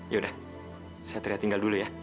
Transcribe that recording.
yaudah saya teriak tinggal dulu ya